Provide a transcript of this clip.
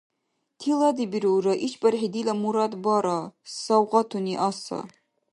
— Тиладибирулра ишбархӀи дила мурад бара — савгъатуни аса.